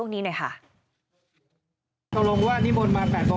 ก็เนี่ยมันจะกัดแล้วทำอะไรอยู่กันแหละครับ